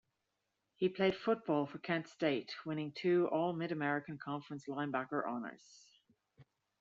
He played football for Kent State, winning two All-Mid-American Conference linebacker honors.